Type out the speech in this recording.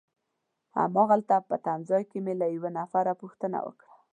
هماغلته په تمځای کي مې له یوه نفر پوښتنه وکړه.